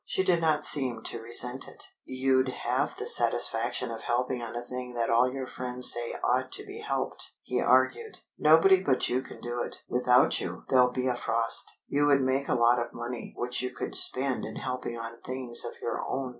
She did not seem to resent it. "You'd have the satisfaction of helping on a thing that all your friends say ought to be helped," he argued. "Nobody but you can do it. Without you, there'll be a frost. You would make a lot of money, which you could spend in helping on things of your own.